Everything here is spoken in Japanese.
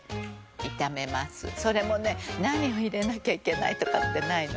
「それもね何を入れなきゃいけないとかってないの」